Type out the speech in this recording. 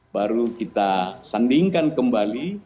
baru kita sandingkan kembali